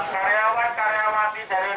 silakan karena akan terus pakai masker